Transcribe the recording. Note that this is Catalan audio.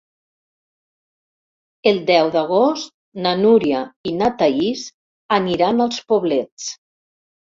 El deu d'agost na Núria i na Thaís aniran als Poblets.